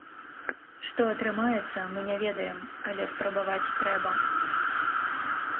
Што атрымаецца, мы не ведаем, але спрабаваць трэба.